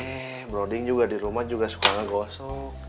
eh broding juga di rumah juga suka gak gosok